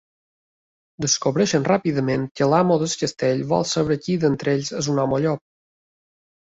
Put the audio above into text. Descobreixen ràpidament que l'amo del castell vol saber qui d'entre ells és un home llop.